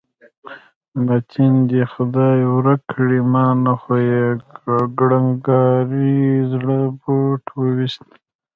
متین دې خدای ورک کړي، ما نه خو یې کړنګاري زړه بوټ وویست.